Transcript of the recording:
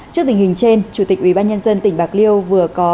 trước tình hình trên chủ tịch ubnd tỉnh bạc liêu vừa có